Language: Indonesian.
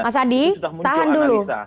mas adi tahan dulu